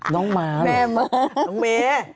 น้องม้าหรอ